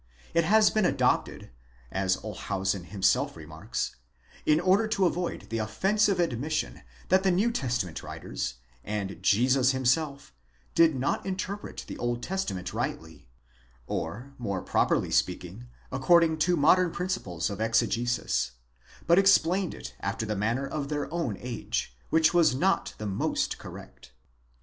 It has been adopted, as Olshausen himself remarks, in order to avoid the offensive admission that the New Testament writers, and Jesus himself, did not interpret the Old Testament rightly, or, more properly speaking, according to modern principles of exegesis, but explained it after the manner of their own age, which was not the most correct.